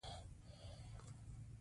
رنګ يې ورو ورو زېړېده.